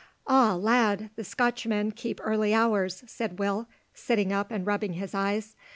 "Ah, lad, the Scotchmen keep early hours," said Will, sitting up and rubbing his eyes.